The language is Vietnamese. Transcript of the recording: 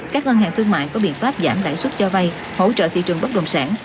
các ngân hàng thương mại có biện pháp giảm đại xuất cho vay hỗ trợ thị trường bất đồng sản